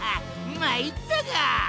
まいったか！